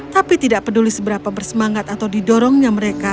tapi tidak peduli seberapa bersemangat atau didorongnya mereka